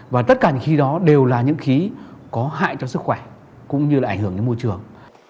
và tất cả những khi đó đều là những khí có hại cho sức khỏe cũng như là ảnh hưởng đến môi trường